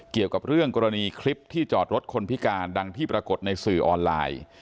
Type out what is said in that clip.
เกี่ยวกับเรื่องกรณีคลิปที่จอดรถคนพิการดังที่ปรากฏในสื่อออนไลน์